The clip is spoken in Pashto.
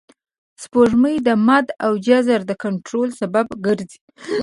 سپوږمۍ د مد او جزر د کنټرول سبب ګرځي